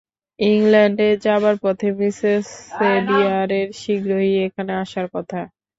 ইংলণ্ডে যাবার পথে মিসেস সেভিয়ারের শীঘ্রই এখানে আসার কথা।